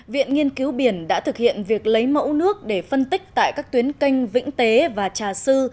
viện nghiên cứu biển đã thực hiện việc lấy mẫu nước để phân tích tại các tuyến canh vĩnh tế và trà sư